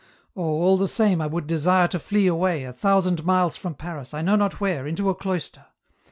*' Oh, all the same I would desire to flee away, a thousand miles from Paris, I know not where, into a cloister.